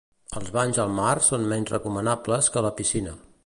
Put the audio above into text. Els banys al mar són menys recomanables que a la piscina.